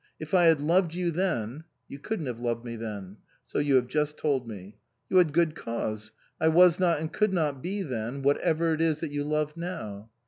If I had loved you then "" You couldn't have loved me then." " So you have just told me." " You had good cause. I was not and could not be then whatever it is that you love now."